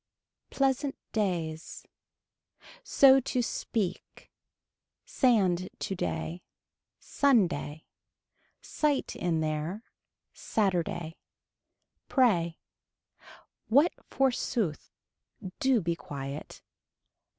Pleasant days. So to speak. Sand today. Sunday. Sight in there. Saturday. Pray. What forsooth. Do be quiet.